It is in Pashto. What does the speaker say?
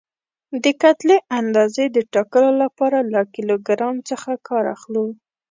د کتلې اندازې د ټاکلو لپاره له کیلو ګرام څخه کار اخلو.